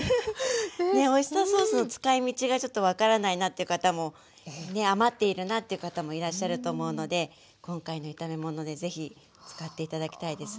ねっオイスターソースの使いみちがちょっと分からないなという方も余っているなという方もいらっしゃると思うので今回の炒め物でぜひ使って頂きたいですね。